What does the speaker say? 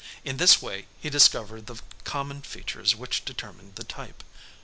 In this way he discovered the common features which determined the type.